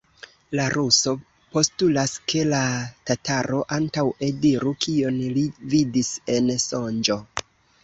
La ruso postulas, ke la tataro antaŭe diru, kion li vidis en sonĝo.